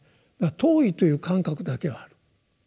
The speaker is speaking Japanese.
遠いという感覚だけはある。